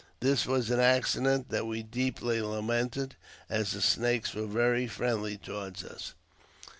This was an accident that we deeply lamented, as the Snakes were very friendly towards us.